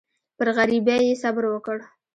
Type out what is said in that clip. پر غریبۍ یې صبر وکړ.